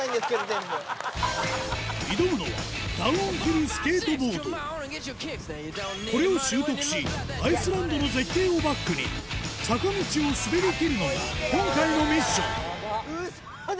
挑むのはこれを習得しアイスランドの絶景をバックに坂道を滑りきるのが今回のミッションうそだ！